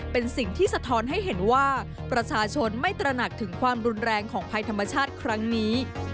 เป็นสิ่งที่สะท้อนให้เห็นว่าประชาชนไม่ตระหนักถึงความรุนแรงของภัยธรรมชาติครั้งนี้